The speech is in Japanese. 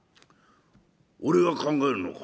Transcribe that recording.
「俺が考えるのか？